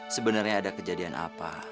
sebenarnya ada kejadian apa